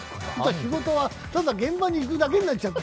仕事はただ現場に行くだけになっちゃった。